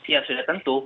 ya sudah tentu